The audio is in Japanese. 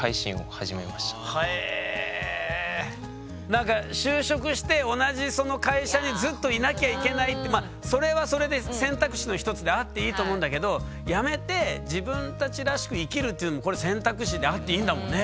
何か就職して同じその会社にずっといなきゃいけないってまあそれはそれで選択肢の一つであっていいと思うんだけど辞めて自分たちらしく生きるっていうのもこれ選択肢であっていいんだもんね。